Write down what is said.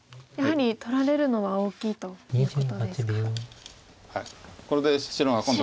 やはり取られるのは大きいということですか。